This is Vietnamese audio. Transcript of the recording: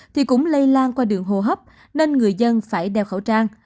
thì cũng lây lan qua đường hô hấp nên người dân phải đeo khẩu trang